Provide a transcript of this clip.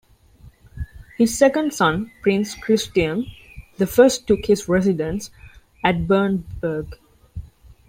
His second son Prince Christian the First took his residence at Bernburg.